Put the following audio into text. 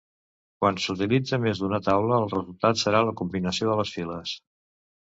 Quan s'utilitza més d'una taula, el resultat serà la combinació de les files.